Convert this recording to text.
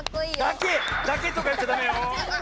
だけ！だけとかいっちゃダメよ！